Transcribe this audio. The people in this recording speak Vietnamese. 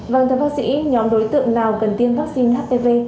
vâng thưa bác sĩ nhóm đối tượng nào cần tiêm vaccine hpv